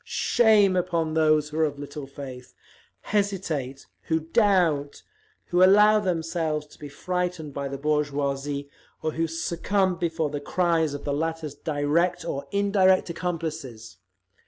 Shame upon those who are of little faith, hesitate, who doubt, who allow themselves to be frightened by the bourgeoisie, or who succumb before the cries of the latter's direct or indirect accomplices!